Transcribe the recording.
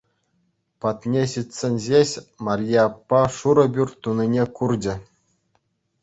Патне ҫитсен ҫеҫ Марье аппа шурӑ пӳрт тунине курчӗ.